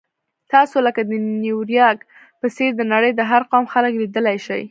تاسو لکه د نیویارک په څېر د نړۍ د هر قوم خلک لیدلی شئ.